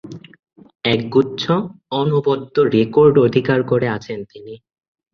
একগুচ্ছ অনবদ্য রেকর্ড অধিকার করে আছেন তিনি।